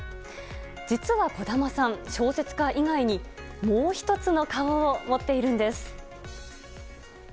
実は児玉さん、小説家以外にもう１つの顔を持っているんです。